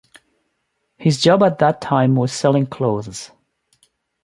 His job at that time was selling clothes.